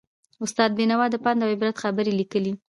استاد بینوا د پند او عبرت خبرې لیکلې.